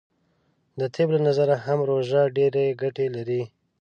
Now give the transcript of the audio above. د طب له نظره هم روژه ډیرې ګټې لری .